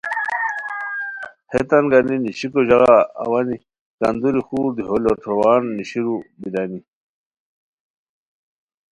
ہیتان گانی نیشیکو ژاغا اوانی کندوری خور دیہو لوٹھوروان نیشیرو بیرانی